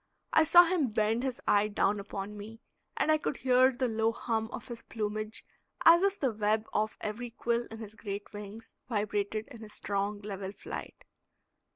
I saw him bend his eye down upon me, and I could hear the low hum of his plumage, as if the web off every quill in his great wings vibrated in his strong, level flight.